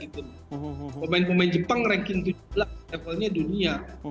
pemain pemain jepang ranking tujuh belas levelnya dunia